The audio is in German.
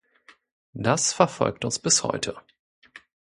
Das verfolgt uns bis heute.